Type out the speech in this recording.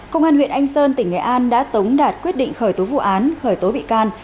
công an huyện anh sơn tỉnh nghệ an đã tống đạt quyết định khởi tố vụ án khởi tố bị can